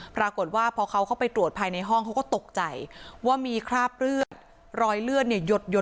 ปรากฏว่าพอเขาเข้าไปตรวจภายในห้องเขาก็ตกใจว่ามีคราบเลือดรอยเลือดเนี่ยหยด